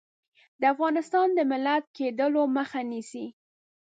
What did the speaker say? د افغانستان د ملت کېدلو مخه نیسي.